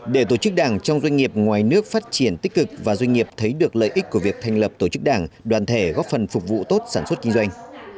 để tổ chức đảng trong doanh nghiệp ngoài nước phát triển tích cực và doanh nghiệp thấy được lợi ích của việc thành lập tổ chức đảng đoàn thể góp phần phục vụ tốt sản xuất kinh doanh